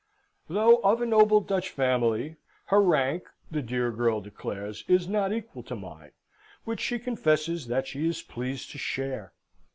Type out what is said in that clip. Though of a noble Dutch family, her rank, the dear girl declares, is not equal to mine, which she confesses that she is pleased to share.